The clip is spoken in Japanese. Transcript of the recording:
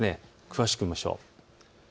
詳しく見ましょう。